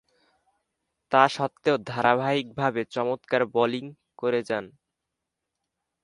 তাসত্ত্বেও ধারাবাহিকভাবে চমৎকার বোলিং করে যান।